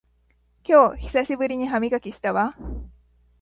今日久しぶりに歯磨きしたわ